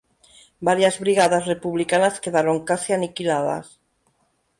Varias brigadas republicanas quedaron casi aniquiladas.